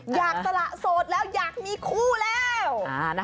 สละโสดแล้วอยากมีคู่แล้ว